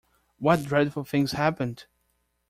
What dreadful things happened?